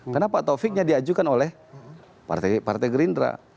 karena pak toviknya diajukan oleh partai gerindra